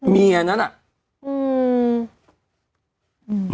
เมียนั้นอ่ะอืม